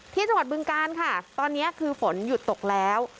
ที่จังหวัดบึงการค่ะตอนนี้คือฝนหยุดตกแล้ว